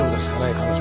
彼女。